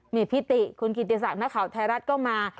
นี่พี่ติคุณกิติศักดิ์นักข่าวไทยรัฐก็มา